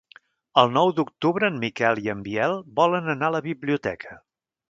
El nou d'octubre en Miquel i en Biel volen anar a la biblioteca.